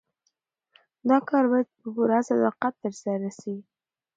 دا کار باید په پوره صداقت ترسره سي.